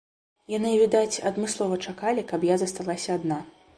Яны, відаць, адмыслова чакалі, каб я засталася адна.